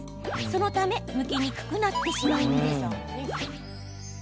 そのためむきにくくなってしまうんです。